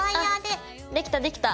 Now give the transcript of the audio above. あっできたできた。